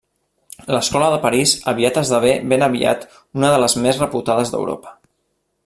L'escola de París aviat esdevé ben aviat una de les més reputades d'Europa.